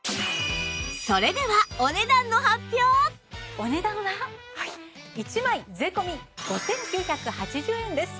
それではお値段は１枚税込５９８０円です。